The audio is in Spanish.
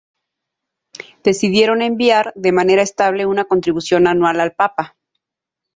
Decidieron enviar de manera estable una contribución anual al Papa.